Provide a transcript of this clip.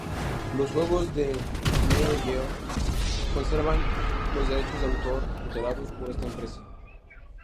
Los juegos de Neo-Geo conservan los derechos de autor tutelados por esta empresa.